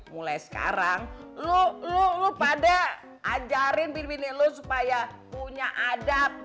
mulai sekarang lo pada ajarin bini lo supaya punya adab